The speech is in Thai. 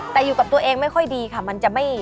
แต่อยู่กับตัวเองไม่ค่อยดีค่ะมันจะไม่